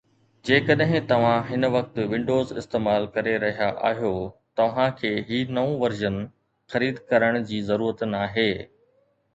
جيڪڏهن توهان هن وقت ونڊوز استعمال ڪري رهيا آهيو، توهان کي هي نئون ورزن خريد ڪرڻ جي ضرورت ناهي